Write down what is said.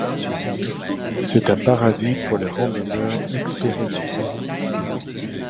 C'est un paradis pour les randonneurs expérimentés.